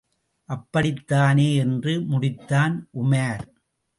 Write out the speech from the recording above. அப்படித்தானே? என்று முடித்தான் உமார்.